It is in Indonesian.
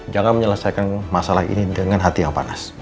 jangan menyelesaikan masalah ini dengan hati yang panas